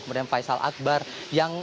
kemudian faisal akbar yang